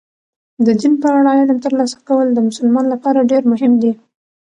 د دین په اړه علم ترلاسه کول د مسلمان لپاره ډېر مهم دي.